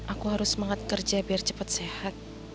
aku harus semangat kerja biar cepat sehat